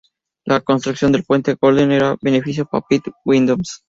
La construcción del Puente Golden Ears benefició a Pitt Meadows.